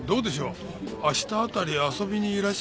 明日辺り遊びにいらっしゃいませんか？